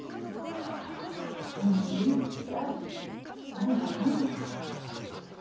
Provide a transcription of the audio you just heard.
その勇気さえあればよいのです。